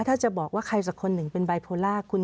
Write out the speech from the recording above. ถ้าจะบอกว่าใครสักคนหนึ่งเป็นบายโพล่า